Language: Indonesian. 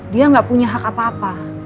dia nggak punya hak apa apa